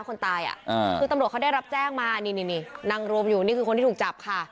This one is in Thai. คนตายอ่ะคือตำรวจเขาได้รับแจ้งมานี่นี่นั่งรวมอยู่นี่คือคนที่ถูกจับค่ะ